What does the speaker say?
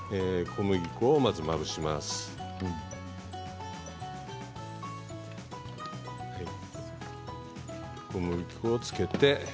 小麦粉をつけて。